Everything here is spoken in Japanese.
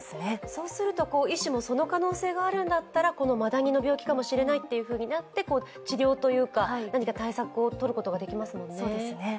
そうすると医師もその可能性があるんだったらマダニの病気かもしれないとなって治療というか、何か対策を取ることができますもんね。